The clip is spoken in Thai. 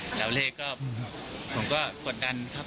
หรือเป็นเขาขาบผมก็กดดันครับ